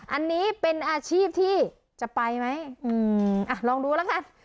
อันนี้เป็นอาชีพที่จะไปไหมลองดูละกัน